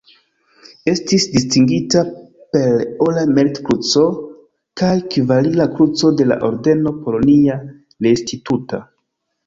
Estis distingita per Ora Merit-Kruco kaj Kavalira Kruco de la Ordeno Polonia Restituta.